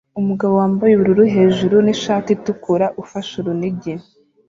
Umugabo wambaye ubururu hejuru nishati itukura ufashe urunigi